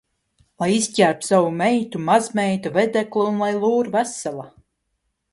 Lai izģērbj savu meitu, mazmeitu, vedeklu un lai lūr vesela.